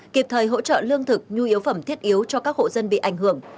kịp thời hỗ trợ lương thực nhu yếu phẩm thiết yếu cho các hộ dân bị ảnh hưởng